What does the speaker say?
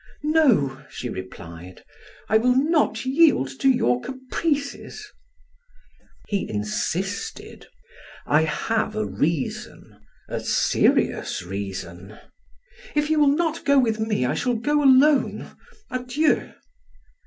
"No," she replied, "I will not yield to your caprices." He insisted: "I have a reason, a serious reason " "If you will not go with me, I shall go alone. Adieu!"